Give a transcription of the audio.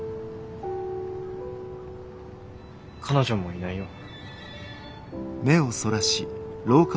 彼女もいないよ。